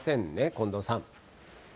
近藤さん。